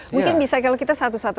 mungkin bisa kalau kita satu satu